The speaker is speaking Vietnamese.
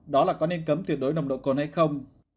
đó là có nên cấm tuyệt đối nồng độ cồn hay không